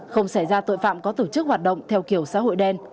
không xảy ra tội phạm có tổ chức hoạt động theo kiểu xã hội đen